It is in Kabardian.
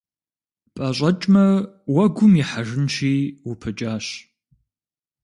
Пӏэщӏэкӏмэ, уэгум ихьэжынщи, упыкӏащ.